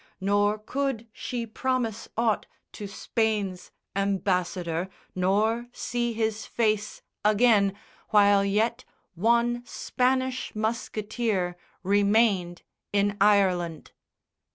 Nor could she promise aught To Spain's ambassador, nor see his face Again, while yet one Spanish musketeer Remained in Ireland.